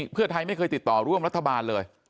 เพื่อไทยไม่เคยติดต่อร่วมรัฐบาลเลย